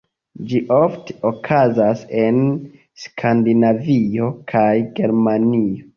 Ĝi ofte okazas en Skandinavio kaj Germanio.